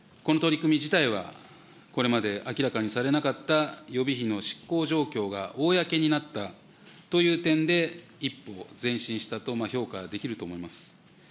この取り組み自体は、これまで明らかにされなかった予備費の執行状況が公になったという点で一歩前進したと評価できると思います。